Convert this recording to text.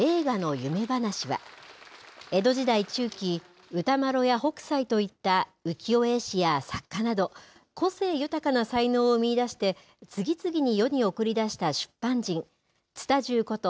夢噺は江戸時代中期歌麿や北斎といった浮世絵師や作家など個性豊かな才能を見いだして次々に世に送り出した出版人蔦重こと